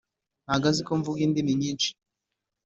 ntago aziko mvuga indimi nyinshi